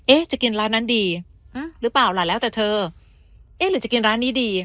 จะกินร้านนั้นดีหรือเปล่าล่ะแล้วแต่เธอเอ๊ะหรือจะกินร้านนี้ดี